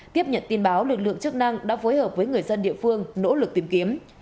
tiếp nhận tin báo lực lượng chức năng đã phối hợp với người dân địa phương nỗ lực tìm kiếm